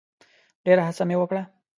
ډېره هڅه مي وکړه .